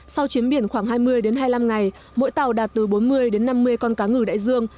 sau chiến biển khoảng hai mươi hai mươi năm ngày mỗi tàu đạt từ bốn mươi năm mươi con cá ngừ đại dương